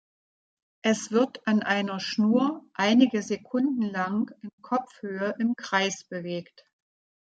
Es wird an einer Schnur einige Sekunden lang in Kopfhöhe im Kreis bewegt.